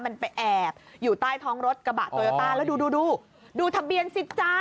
มันไปแอบอยู่ใต้ท้องรถกระบะโตโยต้าแล้วดูดูดูทะเบียนสิจ๊ะ